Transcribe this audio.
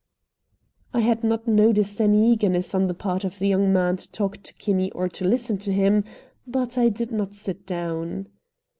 I had not noticed any eagerness on the part of the young man to talk to Kinney or to listen to him, but I did not sit down.